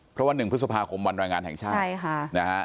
เพราะว่า๑พฤษภาคมวันรายงานแห่งชาติ